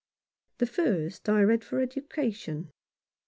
The first I read for education.